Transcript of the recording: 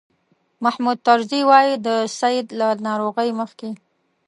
محمود طرزي وایي د سید له ناروغۍ مخکې.